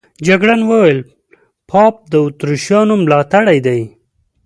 جګړن وویل پاپ د اتریشیانو ملاتړی دی.